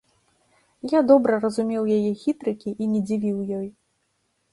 Я добра разумеў яе хітрыкі і не дзівіў ёй.